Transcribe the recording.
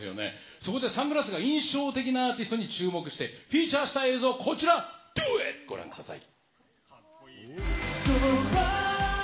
そこでサングラスが印象的なアーティストに注目して、フューチャーしたこの映像、ご覧ください。